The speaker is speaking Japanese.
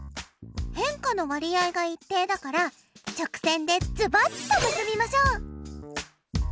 変化の割合が一定だから直線でズバッと結びましょう。